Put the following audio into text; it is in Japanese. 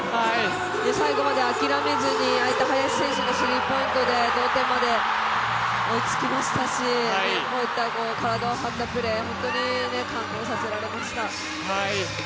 最後まで諦めずに林選手のスリーポイントで同点まで追いつきましたしこういった体を張ったプレー、本当に感動させられました。